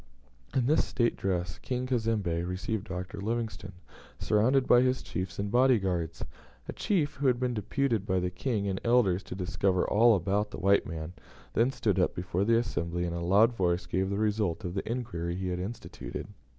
In this state dress, King Cazembe received Dr. Livingstone, surrounded by his chiefs and body guards. A chief, who had been deputed by the King and elders to discover all about the white man, then stood up before the assembly, and in a loud voice gave the result of the inquiry he had instituted.